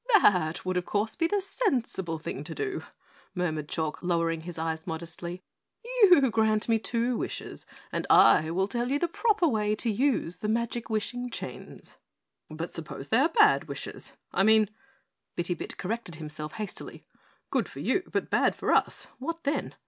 "That would, of course, be the sensible thing to do," murmured Chalk, lowering his eyes modestly. "You grant me two wishes and I will tell you the proper way to use the magic wishing chains." "But suppose they are bad wishes I mean," Bitty Bit corrected himself hastily, "good for you, but bad for us, what then?